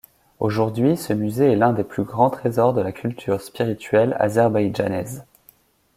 Aujourd’hui, ce musée est l’un des plus grands trésors de la culture spirituelle azerbaïdjanaise.